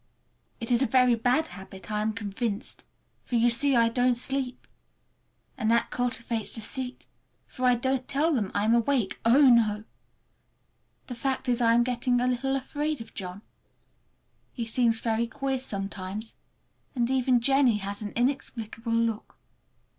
It is a very bad habit, I am convinced, for, you see, I don't sleep. And that cultivates deceit, for I don't tell them I'm awake,—oh, no! The fact is, I am getting a little afraid of John. He seems very queer sometimes, and even Jennie has an inexplicable look.